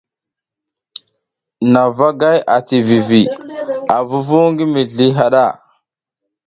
Nha vagayay ati vivi a vuvu ngi mizli haɗa.